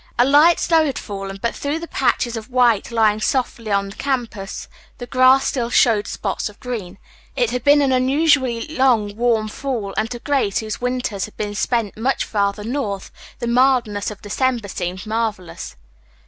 A light snow had fallen, but through the patches of white lying softly on the campus the grass still showed spots of green. It had been an unusually long, warm fall, and to Grace, whose winters had been spent much farther north, the mildness of December had seemed marvelous.